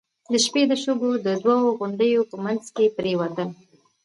د شپې د شګو د دوو غونډيو په مينځ کې پرېوتل.